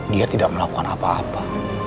dia tidak melakukan apa apa